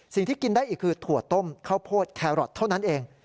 กินได้อีกคือถั่วต้มข้าวโพดแครอทเท่านั้นเอง